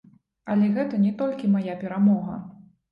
Але гэта не толькі мая перамога.